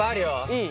いい？